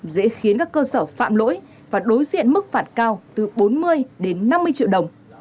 dễ khiến các cơ sở phạm lỗi và đối diện mức phạt cao từ bốn mươi đến năm mươi triệu đồng